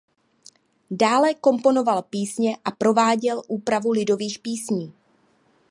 Dále komponoval písně a prováděl úpravy lidových písní.